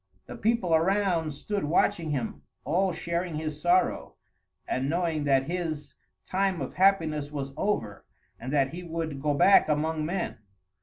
The people around stood watching him, all sharing his sorrow, and knowing that his time of happiness was over and that he would go back among men.